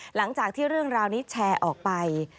หลังจากที่เรื่องราวนี้แชร์ออกไป